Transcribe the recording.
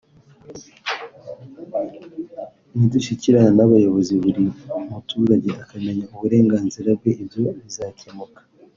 nidushyikirana n’abayobozi buri muturage akamenya uburenganzira bwe ibyo bizakemuka